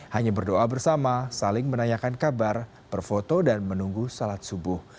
hanya berdoa bersama saling menanyakan kabar berfoto dan menunggu salat subuh